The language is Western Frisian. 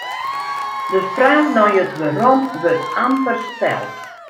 De fraach nei it wêrom wurdt amper steld.